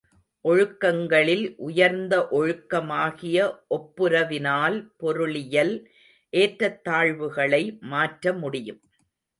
ஒழுக்கங்களில் உயர்ந்த ஒழுக்கமாகிய ஒப்புரவினால் பொருளியல் ஏற்றத் தாழ்வுகளை மாற்ற முடியும்.